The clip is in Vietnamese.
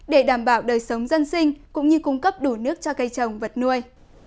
để đảm bảo đời sống dân sinh cũng như cung cấp đủ nước cho cây trồng vật nuôi